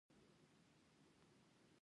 هغه ناڅاپه یوې کلچې ته لاس کړ او ویې خوړه